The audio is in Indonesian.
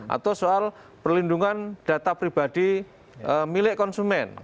atau soal perlindungan data pribadi milik konsumen